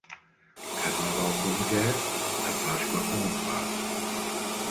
Carnaval com a mulher, a Páscoa com o padre.